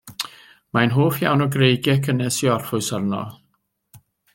Mae'n hoff iawn o greigiau cynnes i orffwys arno.